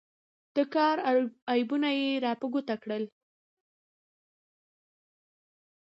د کار عیبونه یې را په ګوته کړل.